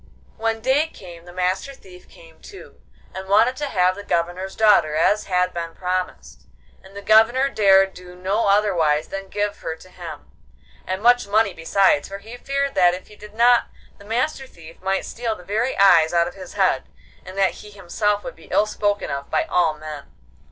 When day came the Master Thief came too, and wanted to have the Governor's daughter as had been promised, and the Governor dared do no otherwise than give her to him, and much money besides, for he feared that if he did not the Master Thief might steal the very eyes out of his head, and that he himself would be ill spoken of by all men.